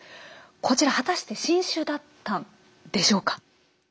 こちら果たして新種だったんでしょうか？